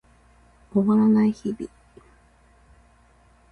終わらない日々